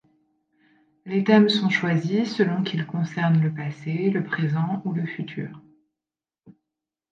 Les thèmes sont choisis selon qu'ils concernent le Passé, le Présent ou le Futur.